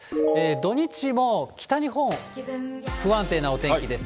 土日も北日本、不安定なお天気です。